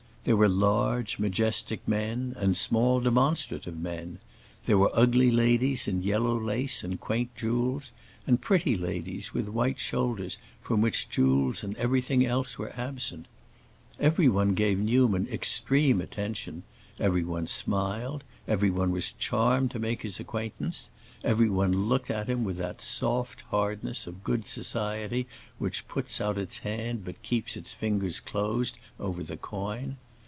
There were large, majestic men, and small demonstrative men; there were ugly ladies in yellow lace and quaint jewels, and pretty ladies with white shoulders from which jewels and everything else were absent. Everyone gave Newman extreme attention, everyone smiled, everyone was charmed to make his acquaintance, everyone looked at him with that soft hardness of good society which puts out its hand but keeps its fingers closed over the coin.